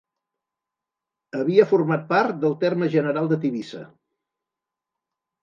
Havia format part del terme general de Tivissa.